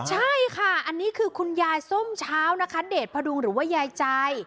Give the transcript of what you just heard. ใช่ค่ะอันนี้คือคุณยายส้มเช้านะคะเดชพดุงหรือว่ายายใจ